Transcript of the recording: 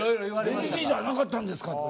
ＮＧじゃなかったんですかって。